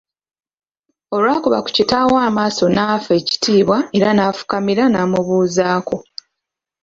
Olw'akuba ku kitaawe amaaso nafa ekitiibwa era n'afukamira namubuuzaako.